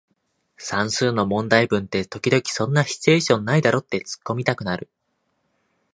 算数の問題文って時々そんなシチュエーションないだろってツッコミたくなる